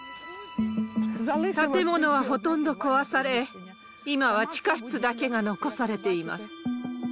建物はほとんど壊され、今は地下室だけが残されています。